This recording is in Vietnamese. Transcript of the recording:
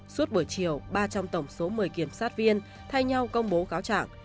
suốt buổi chiều ba trong tổng số một mươi kiểm sát viên thay nhau công bố cáo trạng